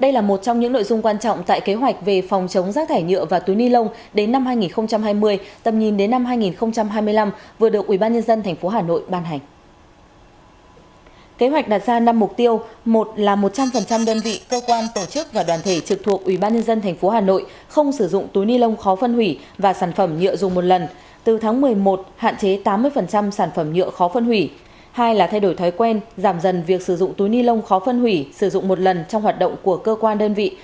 hai thay đổi thói quen giảm dần việc sử dụng túi ni lông khó phân hủy sử dụng một lần trong hoạt động của cơ quan đơn vị